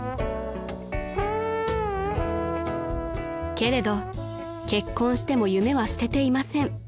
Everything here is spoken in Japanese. ［けれど結婚しても夢は捨てていません］